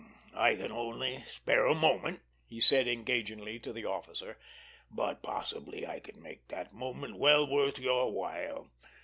"I can only spare a moment," he said engagingly to the officer; "but possibly I can make that moment well worth your while.